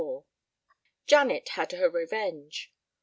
XXXIV Janet had her revenge.